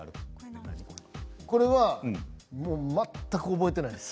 これは全く覚えてないです。